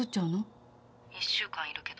１週間いるけど。